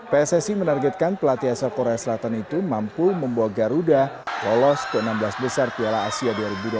pssi menargetkan pelatih asal korea selatan itu mampu membawa garuda lolos ke enam belas besar piala asia dua ribu dua puluh tiga